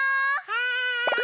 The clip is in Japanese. はい！